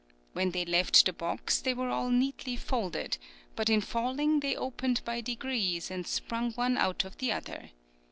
When they left the box they were all neatly folded; but in falling they opened by degrees and sprung one out of the other.